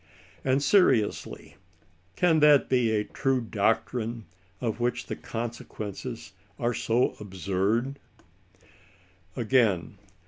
And seriously, can that be a true doc trine, of which the consequences are so absurd ? Again.